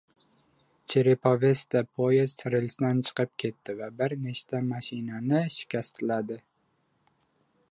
Cherepovesda poyezd relsdan chiqib ketdi va bir nechta mashinani shikastladi